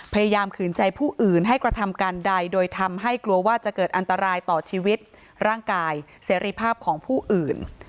ขืนใจผู้อื่นให้กระทำการใดโดยทำให้กลัวว่าจะเกิดอันตรายต่อชีวิตร่างกายเสรีภาพของผู้อื่น